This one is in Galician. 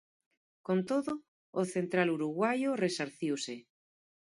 Con todo, o central uruguaio resarciuse.